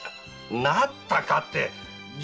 “なったか”って。